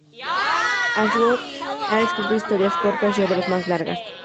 Ashworth ha escrito historias cortas y obras más largas.